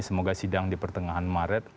semoga sidang di pertengahan maret